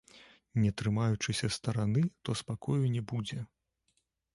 Не трымаючыся стараны, то спакою не будзе.